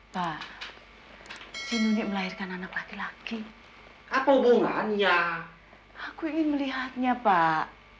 pak si nunik melahirkan anak laki laki apa hubungannya aku ingin melihatnya pak